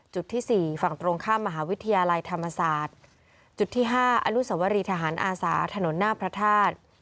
จุดที่สี่ฝั่งตรงข้ามมหาวิทยาลัยธรรมศาสตร์จุดที่๕อนุสวรีทหารอาสาถนนหน้าพระธาตุ